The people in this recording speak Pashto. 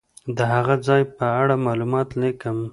د هغه ځای په اړه معلومات لیکم.